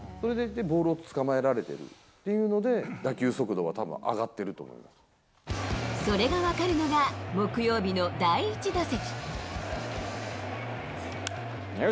ボールをつかまえられてるっていうので、打球速度がたぶん上がっそれが分かるのが木曜日の第１打席。